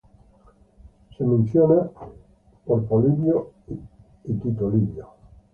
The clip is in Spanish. Es mencionada por Polibio y Tito Livio.